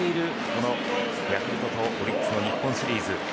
このヤクルトとオリックスの日本シリーズ。